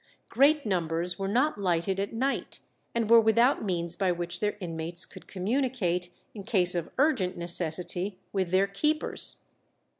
Great numbers were not lighted at night, and were without means by which their inmates could communicate, in case of urgent necessity, with their keepers.